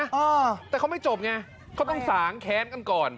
เออแต่เขาไม่จบไงเขาต้องสางแค้นกันก่อน